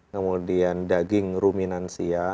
kemudian daging ruminansia